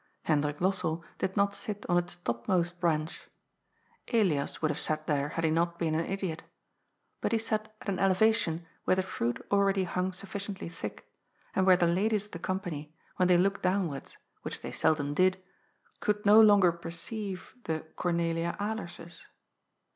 Hen drik Lossell did not sit on its topmost branch — Elias would have sat there, had he not been an idiot — ^but he sat at an elevation where the fruit already hung sufficiently thick, and where the ladies of the company, when they looked downwards, which they seldom did, could no longer per ceive the Cornelia Alerses.